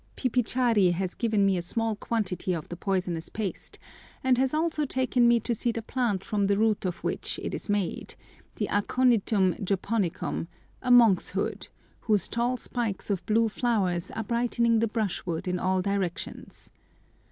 Pipichari has given me a small quantity of the poisonous paste, and has also taken me to see the plant from the root of which it is made, the Aconitum Japonicum, a monkshood, whose tall spikes of blue flowers are brightening the brushwood in all directions.